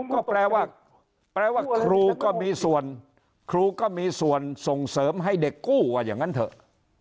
ก็แปลว่าครูก็มีส่วนส่งเสริมให้เด็กกู้อย่างนั้นเถอะ